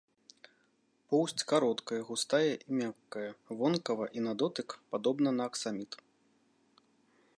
Поўсць кароткая, густая і мяккая, вонкава і на дотык падобна на аксаміт.